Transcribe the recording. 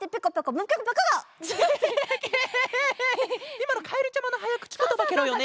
いまのかえるちゃまのはやくちことばケロよね？